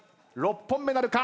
６本目なるか。